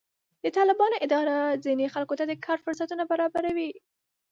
د طالبانو اداره ځینې خلکو ته د کار فرصتونه برابروي.